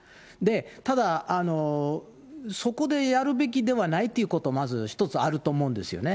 ただ、そこでやるべきではないってこと、まず一つあると思うんですよね。